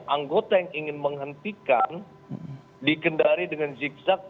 anggota yang ingin menghentikan dikendari dengan zigzag